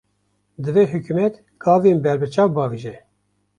Divê hikûmet, gavên berbiçav bavêje